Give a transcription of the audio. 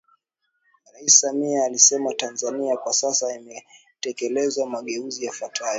Rais Samia alisema Tanzania kwa sasa imetekeleza mageuzi yafuatayo